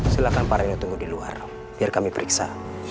silahkan para ini tunggu di luar biar kami periksa